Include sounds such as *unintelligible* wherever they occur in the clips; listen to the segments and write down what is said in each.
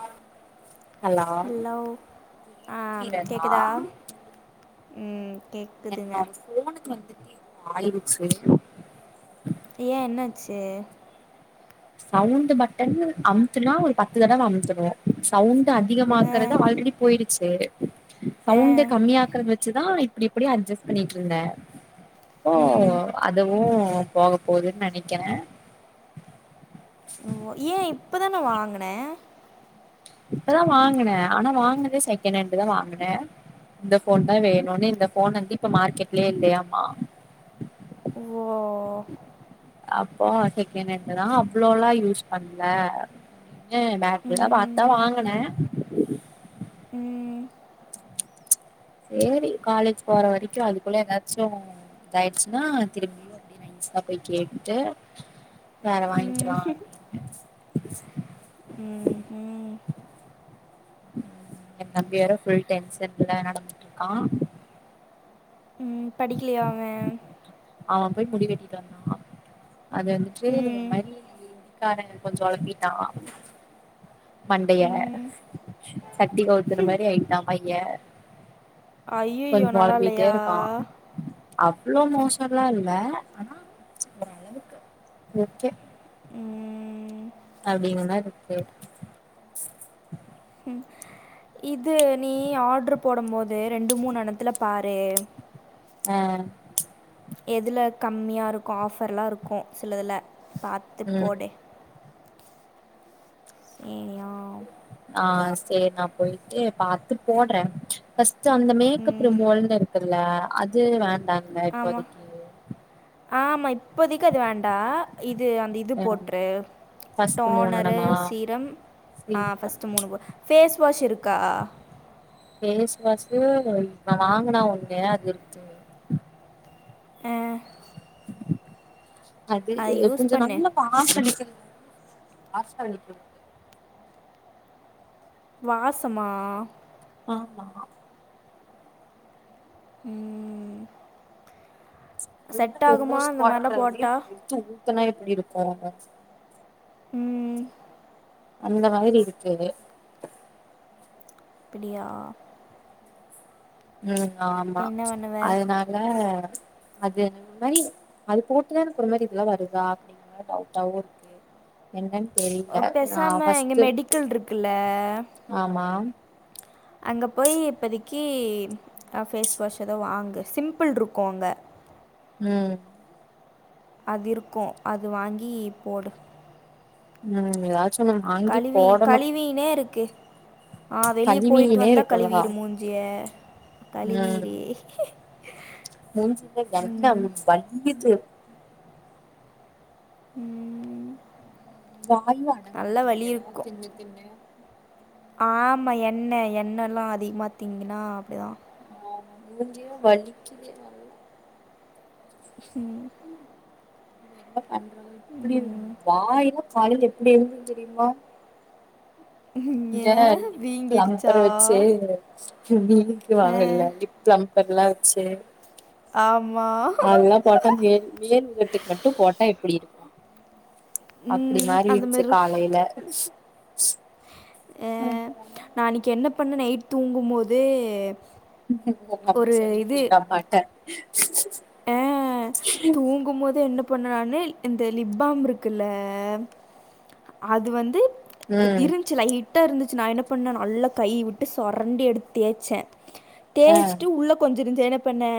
ஆ hello ஆ கீரகா கேக்குதா ம் கேக் என்னோட ஃபோனுக்கு வந்துட் ஏதோ ஆயிருச்சு ஏ என்னாச்சு சவுண்ட் பட்டன் அமுத்துனா ஒரு பத்து தடவ அமுத்துனு சவுண்ட் ஆ அதிகமாக்குறது ஆல்ரெடி போயிரு ச்சு ஆ சவுண்ட கம்மியாக்குற வச்சுதா இப்டி இப்டி அட்ஜஸ்ட் பண்ணிட்டு இருந்தே ஓ ம் அதுவு போக போதுன்னு நெனைக்கிறே *inaudible* ஓ ஏ இப்பதான வாங்கினே இப்பதா வாங்கினே ஆனா வாங்கினதே செகண்ட் ஹேண்ட் தா வாங்கனே இந்த ஃபோன் தா வேணுனு இந்த ஃபோன் வந்து இப்ப மார்க்கெட்லே இல்லையாமா ஓ அப்போ செகண்ட் ஹேண்ட் தா அவ்வளோல்லா யூஸ் பண்ல ஏ பேட்ட்ரில்லா பாத்தா ம் வாங்கனே ம் செரி காலேஜ் போற வரைக்கு அதுக்குள்ள ஏதாச்சு இதயிடுச்சுன்னா திரும்பியு அப்டியெ நைசா போய் கேட்டுட்டு வேற வாங்கிக்கலா அப்டின்னு ம் ஹ்ம் என் தம்பி வர ஃபுல் டென்ஷன்ல நடந்துட்டு இருக்கா ம் படிக்கிலைய அவ அவ போய் முடி வெட்டிட்டு வந்தானா அது வந்துட்டு ஒரு ம் மாரி முடிக்கார கொஞ்சோ அழுத்திட்டான மண்டைய ம் சட்டி கவுத்துற மாறி ஆயிட்டா பைய கொஞ்ச ஐயோ நல்லா பொலம்பிட்டே இல்லையா இருக்கா அவ்ளோ மோசல்லா இல்ல ஆனா ஓர் அளவுக்கு ஓகே ம் அப்டிங்க மெர்ருக்கு ம் இது நீ ஆர்ட்ரு போடும் போது ரெண்டு மூணு இணத்துல பாரு ஆ எதுல கம்மியா இருக்கு ஆஃபர்லா இருக்கு சில இதுல பாத்து ம் போடு சேரியா ஆ செரி நா போயிட்டு பாத்து போட்ற ஃபர்ஸ்ட்டு அந்த மேக்கப் ம் ரிமூவல்ன்னு இருக்குல்ல அது வேண்டா ஆமா ஆமா இப்போதிக்கி அது வேண்டா இது அந்த இது ஆ போட்ரு ஃபர்ஸ்ட் மூணு டோனரு நம்ம சீரம் ஃப்ரீ ஆ ஃபஸ்ட்டு மூணு போடு ஃபேஸ் வாஷ் இருக்கா ஃபேஸ் வாஷு வாங்கனா ஒண்ணு அது இருக்கு ஆ அது அதை யூஸ் கொஞ்ச பண்ணு நல்ல வாஷ அளிக்கிறது வாஷ அளிக்கிறது வாசமா ஆமா ம் செட் ஆகுமா இந்த மாரிலா போட்டா வேத்து ஊத்தனா எப்டி இருக்கு ம் அந்த மாரி இருக்கு அப்படியா ம் இப்போ ஆமா என்ன பண்ணுவ அதனால அது எனக்கு முன்னாடி அது போட்டுதா எனக்கு ஒரு மாரி இதெல்லா வருதா அப்டி ஆனா டவுட்டாவு இருக்கு என்னென் அ, தெரில நா பேசாம இங்கே ஃபஸ்ட்டு மெடிக்கல் இருக்குல்ல ஆமா அங்கே போய் இப்பதிக்கி ஃபேஸ் வாஷ் ஏதோ வாங்கு சிம்பிள் இருக்கு அங்க ம் அது இருக்கு அது வாங்கி போடு ம் எதாச் கழுவி கழுவினே இருக்கு ஆ வெளிய போயிட்டு கழுவினே வந்தா இருக்கவா கழுவிறு மூஞ்சிய ம் கழிவீரு மூஞ்சில எண்ணெ வலியுது ம் வாயு அடங் மாட்டேங்குது எதா தின்னு தின்னு ஆமா எண்ணெ எண்ணெலா அதிகமாக திங்குனா அப்டிதா ஆ மூஞ்சே வலிக்குது நல்லா ம் என்ன பண்றது இப்டி வாயிலா காலைல எப்டி இருந்தது தெரிமா இந்த ஏன் வீங்கிருச்சா பிளம்பர் வச்சு இப்டி இழுத்து ஆ, வாங்கல்ல பிளம்பர் லா வச்சு ஆமா கோட்டா மேல் மேல் உதட்டுக்கு மட்டு போட்டா எப்டி இருக்கு அப்டி ம், மாரி அந்த இருன்ச்சு மாதிரி இருக்கும். காலைல அ நா அன்னைக்கு என்ன பண்ண நைட் தூங்கும் போது உங்க அம்மா சொல்லிச்சு எங்க அம்மாட்ட அ தூங்கு போது என்ன பண்ணனான்னு இந்த லிப் பாம் இருக்குல்ல அது வந்து ம் இருந் துச்சு லைட்டா இருந்துச்சு நா என்ன பண்ணே நல்லா கை விட்டு சொரண்டி எடுத்து தேச்சே ஆ தேய்சுட்டு உள்ள கொஞ்சோ இருந்துச்சு என்ன பண்ணே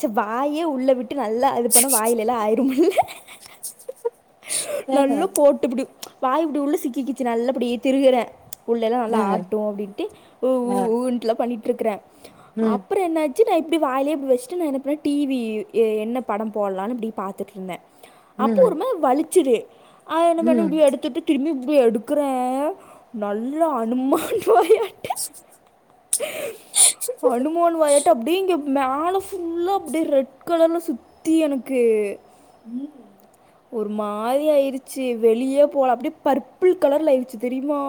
சே வாயே உள்ள விட்டு நல்லா அது பண்ணா வாயில எல்லா ஆயிரு மில்ல நல்லா ஆ போட்டு இப்டி வாய் இப்டி உள்ள சிக்கி கிச்சி நல்லா இப்டியே திருகுறே உள்ளல்லா ஆ நல்லா ஆட்டும் அப்படின்ட்டு உ உ ஆ ஊண்ட்டு லா பண்ணிகிட்டுருக்கறே ம் அப்றோ என்னாச்சு வச்சு நா இப்டி வாயிலே இப்டி வச்சுட்டு நா என்ன பண்ணே டி வி என்ன படோ போடலா இப்டி பாத்துட்ருந்தே அப்போ ம் ஒரு மாதி வலிச்சுது அது என்ன பண்ணு ம் இப்டியே எடுத்துட்டு திரும்பி போய் எடுக்கிறே நல்லா அனுமான் வாயாட் அனுமான் வாயட்ட அப்டியே இங்க மேல ஃபுல்லா அப்டியே ரெட் கலர்ல சுததி எனக்கு ம் *inaudible* ஒரு மாரி ஆயிருச்சு வெளியே போல அப்டியே பர்பிள் கலர்ல ஆயிருச்சு தெரியுமா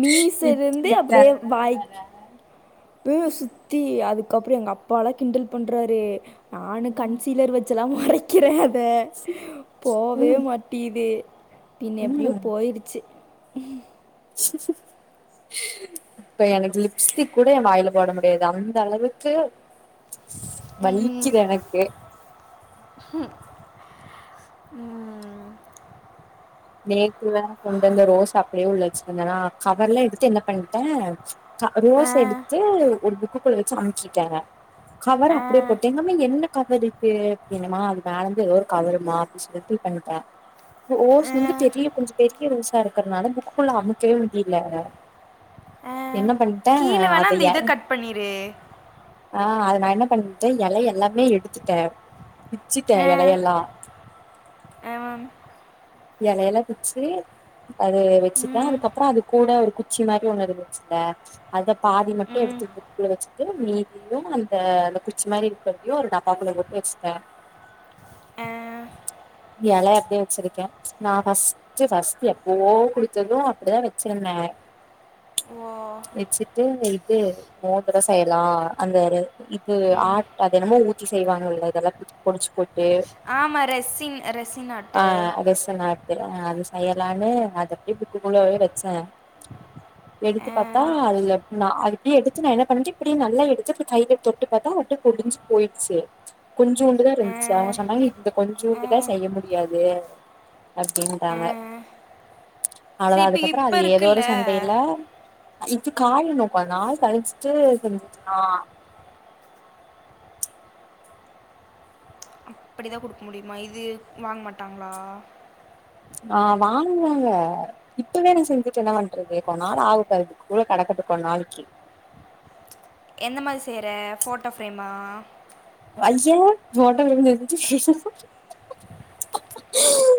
மீசைல எதுக்கு இருந்து இந்த அப்டியே தேவயில்லாத வாய் வேல இப்பவே சுத்தி அதுக்கப்றம் எங்க அப்பாலா கிண்டல் பண்றாரு நானு கன்சீலர் வச்சல்லா மறைக்கிறே அத போவே ம் மாட் டீது பின்ன எப்டியோ ம் போயிருச்சு இப்ப எனக்கு லிப்ஸ்டிக் கூட ஏ வாயில போட முடியாது அந்த அளவுக்கு ம் வலிக்குது எனக்கு ம் பேக் வேற கொண்டு வந்த ரோஸ் அப்படியே உள்ள வச்சுட்டுருந்தேன்னா கவர்லா எடுத்து என்ன பண்ணிட்டே ரோஸ் எடுத்து ஒரு புக்குகுள்ள வச்சு அனுப்பிச்சுட்டே கவர அப்டியே போட்டு எல்லாமே என்ன கவர் இருக்கு அப்டின்னுமா அது மேலந்து ஏதோ ஒரு கவருமா அப்டினு சொல்லிட்டு ஃபில் பண்ணிட்டே இப்போ ஓஸ் வந்து பெரிய கொஞ்சோ பெரிய ரோஸா இருக்கிறனால புக்குக்குள்ள அமுக்கவே முடில என்னால என்ன பண்ட்டே கீழே வேணா அத அந்த எற இதை கட் பண்ணிரு ஆ அது து நான் என்ன பண்ணட்டேன் இல எல்லாமே எடுத்துட்டேன் விச்சுட்டேன் இலையெல்லாம் ஆமாம்மா இலையெல்ல பிச்சு அது வச்சதா அதுக்கப்புறம் அது கூட ஒரு கு குச்சி மாரி ஒன்னு இருந்துச்சுல அத பாதி மட்டும் எடுத்து க்குள்ள வச்சுட்டு மீதியும் அந்த அந்த குச்சி மாதிரி இருக்கரதையு ஒரு டப்பாக்குள்ள போட்டு வச்சுட்டே ஆ எலை அப்டியே வச்சிருக்கே நான் ஃபஸ்ட்ட் ஃபஸ்ட்ட் எப்போவோ குடிடுத்ததும் அப்டிதா வச்சிருந்தே ஓ வச்சுட்டு இது மோதிரம் செய்யலா அந்த இரு இப்ப ஆர்ட் அது என்னம்மோ ஊத்தி செய்வாங்கல்ல இதெல்லா பொடிச்சு போய்ட்டு ஆமாம் ரெசின் ரெசின் ஆ ஆட்டு அத இந்த நேரத்துல அது செய்யலானு அது அப்டி புக்குகுள்ளவே வச்சே எடுத்து ஆ, பாத்தா அதுல நா அது கீய எடுத்து நா என்ன பண்ட்டே இப்டியே நல்லா எடுத்து இப்டி கைல தொட்டு பாத்தா அட்டு ஒடிஞ்சு போய்டுச்சு கொஞ்சூண்டு தான் ஆ, இருந்துச்சு அவங்க சொன்னாங்க இந்த ஆ, கொஞ்சோண்டு தான் செய்ய முடியாது ஆ, அப்டின்ட்டாங்க சரி அவ்ளோதா இப்ப அதுக்கப்புறோ இப்ப அது ஏதோ இருக்குல்ல. ஒரு சண்டைல இப்ப காய நோக்கா நால் கழிச்சிட்டு செஞ்சுக்கலாம் அப்டிதா குடுக்க முடியுமா இது வாங்க மாட்டாங்களா ஆ வாங்குவாங்க இப்பவே நா செஞ்சுட்டு என்ன பண்றது கொ நாள் ஆகட்டு அதுக்குள்ள கெடக்கட்டு கொ நாளைக்கி எந்த மாரி செய்ற ஃபோட்டோ ஃப்ரேமா ஐய ஓட்ட விழுந்து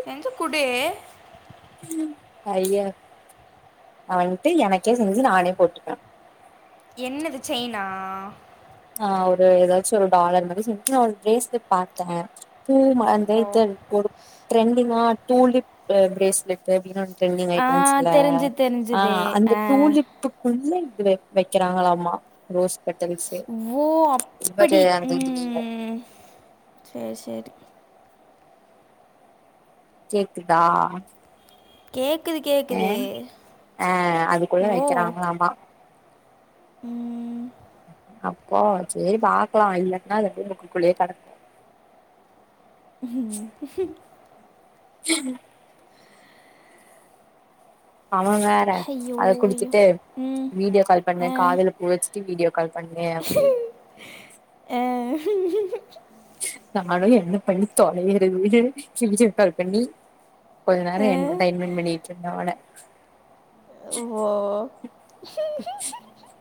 செஞ்சு குடு ஐயா நா வன்ட்டு எனக்கே செஞ்சு நானே போட்டுப்பே என்னது செயினா ஆ ஒரு ஏதாச்சு ஒரு டாலர் மாரி செஞ்சு நா ஒரு பிரேஸ்லெட் பாத்த பூ மா அந்த ஓ! இந்த ஒரு ட்ரெண்டிங்கா டூலிப் ஆ பிரேஸ்லெட் பிரவினொன்னு ட்ரெண்டிங் ஆ ஆயிட்டு இருந்துச்சுல தெரிஞ்சு ஆ தெரிஞ்சுது. அந்த ஆ. டூலிப் புக்குக்குள்ள இது வைக்கிறாங்களாமா ரோஸ் பெட்டல்ஸ்ஸு ஓ அப்டி ம் சேர் சேரி கேக்குதா கேக்குது கே ஏ ஆ அதுக்குள்ள ஓ! வைக்கிறாங்களாமா ம் அப்போ சேர் பாக்கலாம் இல்லட்ன்னா அது ரூம் க்கு குள்ளயே கடகட்டும் ம் ஜில்லா அவன் வேற ஐயோ! அத ஐயோ! குடுச்சிட்டு ம். வீடியோ கால் ஆ. பண்ணேன் காதுல பூ வச்சுட்டு வீடியோ கால் பண்ணேன் அப்டின் ஆ நானும் என்ன பண்ணி தொலையறதுன்னு வீடியோ கால் பண்ணி கொஞ்ச நேரோ ஆ. என்டர்டெய்மெண்ட் பண்ணிட்டு இருந்தே அவன ஓ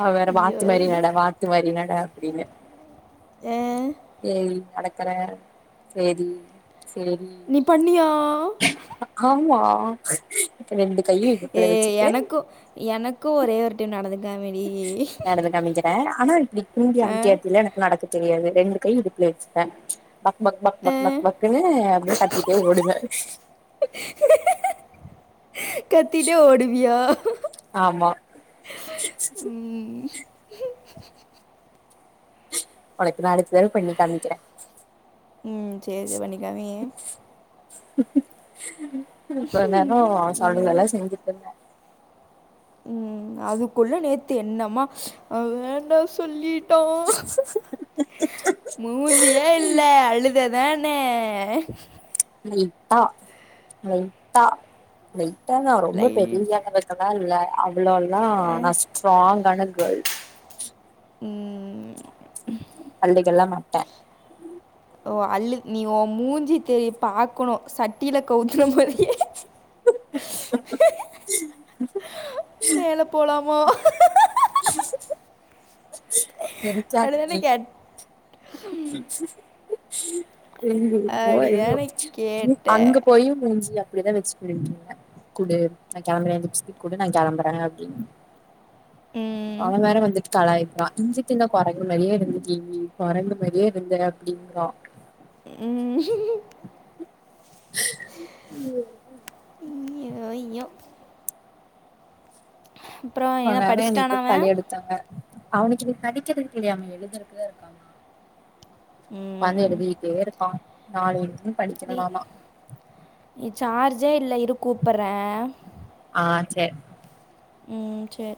அவ வேற ஐயோ! வாத்து மாரி ஐயோ! நட வாத்து மாரி நட அப்டின்னு ஆ. ஏரி நடக்கற சேரி சேரி நீ பண்ணியா ஆமா இப்ப ரெண்டு கையும் இடுப்புல வச்சிட்டு எனக் கு ஒரே ஒரு டைம் நடந்திட்டாங்கடி நடந்து காம்பிக்கிற ஆனா இப்டி குன்டி ஆட்டி ஆட்டிலா எனக்கு நடக்க தெரியாது ரெண்டு கை இடுப்புல வச்சிப்ப பக்பக் பக் பக் பக் க்ன்னு அப்டியே கத்திட்டே ஓடுவ கத்திட்டே ஓடுவியா ஆமா ஒனக்கு நா நாளைக்கே பண்ணி காமிக்கிற ம் சேரி பண்ணிக்காமி இப்ப என்னன்னா அவன் சொல்றதல்லா செஞ்சுட்டு இருந்த ம் அதுக்குள்ளே நேத்து என்னம்மா அவ வேண்டா சொல்லி டோ மூஞ்சியே இல்ல அழுததானே லைட்டா லைட்டா லைட்டா தா ரொம்ப லைட் பெரிய அளவு கலால்ல அவ்ளோலா நா ஸ்ராங்கான கேள் ம் அழ்ழுகல்லா மாட்டே ஓ அல்லு நீ ஓ மூஞ்சி தெரி பாக்கணு சட்டியில கவுத்த மாரியே மேல போலாமோ அப்படிதானே தெரிச்சாகின்னு கேட் ம் போலா அப்படிதானே *unintelligible* கேட்ட அங்க போயு மூஞ்சி அப்டிதா வெச்சு ம் இல்ல குடு நா கெளம்புற லிஃப்டிக் குடு நா கெளம்புற அப்டின் அவ வேற வந்துட்டு கலாய்ப்பா இஞ்சி தின்ன கோரங்கு மாரியே இருந்துட்டியேனி கொரங்கு மாரியே இருந்தே அப்டின்குறா ம் ஐயோ ஐயோ ஐயோ அப்புறம் என்ன அனால இன்னிக்கி படிச்சிட்டானா போய் அவன் தலய எடுத்தாங்க அவனுக்கு இன்னிக்கி படிக்கிறதுக்கு இல்லியாமே எழுதறக்குதா இருக்காமா வந்து எழுதிட்டே இருப்பா நாளைல வி இ சார்ஜே இல்ல இரு கூப்பறே ஆ செ ம் செ